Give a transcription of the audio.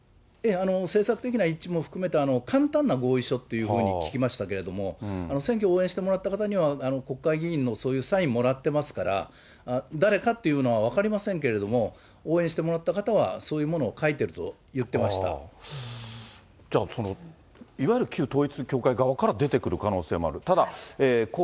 政策的な一致も含めた、簡単な合意書というふうに聞きましたけれども、選挙を応援してもらった方には、国会議員のそういうサインもらってますから、誰かというのは分かりませんけれども、応援してもらった方はそういうものを書いてるじゃあ、いわゆる旧統一教会側から出てくる可能性もある。